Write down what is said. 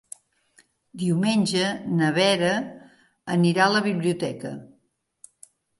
Diumenge na Vera anirà a la biblioteca.